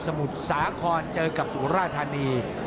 มุทรสาครเจอกับสุราธานี